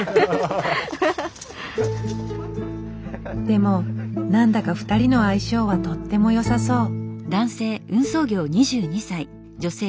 でも何だか２人の相性はとってもよさそう。